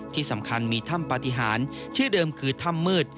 ที่สำคัญมีถ้ำปฏิหารชื่อเดิมคือถ้ำมืด